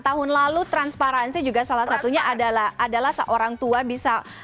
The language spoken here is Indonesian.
tahun lalu transparansi juga salah satunya adalah seorang tua bisa